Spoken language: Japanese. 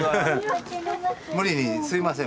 無理にすいません。